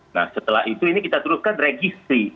nah setelah itu ini kita teruskan registrasi